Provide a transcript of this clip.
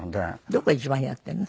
どこを一番やっているの？